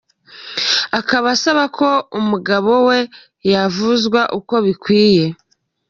Akaba asaba ko umugabo we yavuzwa uko bikwiye.